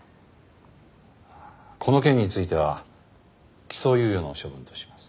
この件については起訴猶予の処分とします。